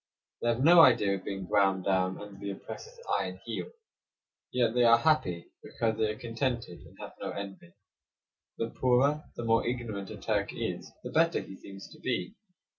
They have no idea of being ground down under the oppressor's iron heel. Yet they are happy because they are contented, and have no envy. The poorer, the more ignorant, a Turk is, the better he seems to be.